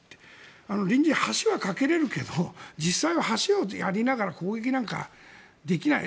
橋を架けれるけど実際は橋をやりながら攻撃はできない。